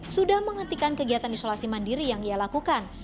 sudah menghentikan kegiatan isolasi mandiri yang ia lakukan